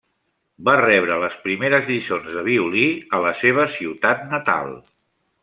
Va rebre les primeres lliçons de violí a la seva ciutat natal.